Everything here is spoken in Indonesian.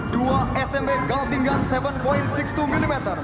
dua smb gauteng gun tujuh enam puluh dua mm